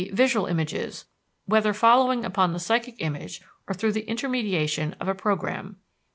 Visual images, whether following upon the psychic image or through the intermediation of a programme.